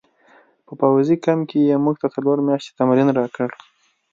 په پوځي کمپ کې یې موږ ته څلور میاشتې تمرین راکړ